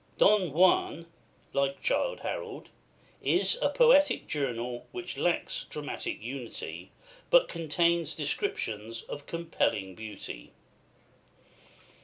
"Don Juan" (hoo ahn´), like "Childe Harold," is a poetic journal which lacks dramatic unity, but contains descriptions of compelling beauty.